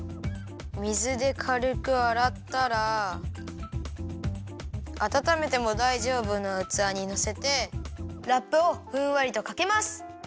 水でかるくあらったらあたためてもだいじょうぶなうつわにのせてラップをふんわりとかけます。